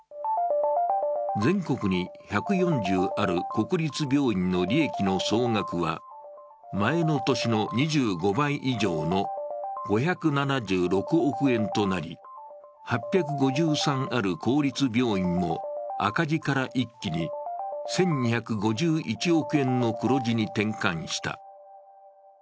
全国に１４０ある国立病院の利益の総額は前の年の２５倍以上の５７６億円となり８５３ある公立病院も赤字から一気に１２５１億円の黒字に転換した。